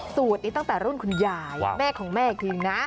สูตรนี้ตั้งแต่รุ่นคุณใหญ่แม่ของแม่คือนะ